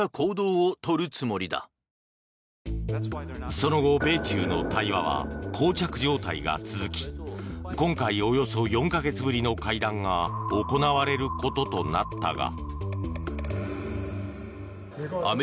その後、米中の対話は膠着状態が続き今回およそ４か月ぶりの会談が行われることとなったが。